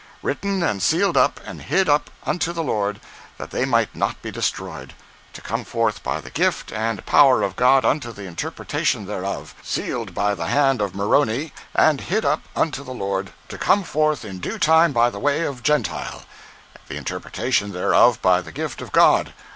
Written and sealed up, and hid up unto the Lord, that they might not be destroyed; to come forth by the gift and power of God unto the interpretation thereof; sealed by the hand of Moroni, and hid up unto the Lord, to come forth in due time by the way of Gentile; the interpretation thereof by the gift of God.